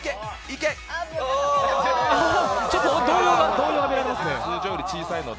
動揺が見られますね。